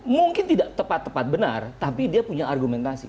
mungkin tidak tepat tepat benar tapi dia punya argumentasi